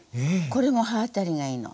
これも歯当たりがいいの。